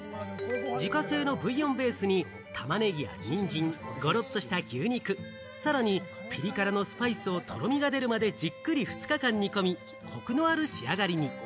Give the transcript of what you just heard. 自家製のブイヨンベースに玉ねぎ、ニンジン、ゴロッとした牛肉、さらにピリ辛のスパイスをとろみが出るまでじっくり２日間煮込み、コクのある仕上がりに。